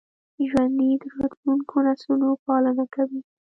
ژوندي د راتلونکو نسلونو پالنه کوي